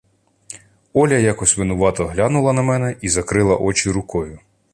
Оля якось винувато глянула на мене і закрила очі рукою.